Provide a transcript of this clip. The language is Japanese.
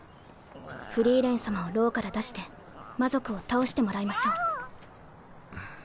フリーレン様を牢から出して魔族を倒してもらいましょう。